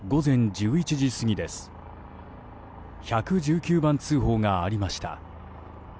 １１９番通報がありました。